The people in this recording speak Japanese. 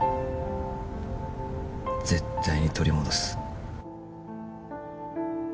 絶対に取り戻す